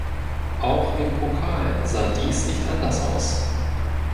Auch im Pokal sah dies nicht anders aus.